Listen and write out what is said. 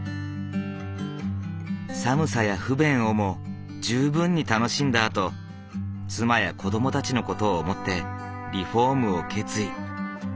寒さや不便をも十分に楽しんだあと妻や子どもたちの事を思ってリフォームを決意。